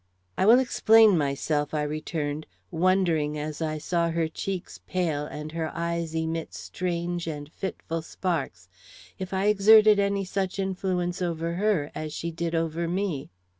"I will explain myself," I returned, wondering, as I saw her cheeks pale and her eyes emit strange and fitful sparks, if I exerted any such influence over her as she did over me.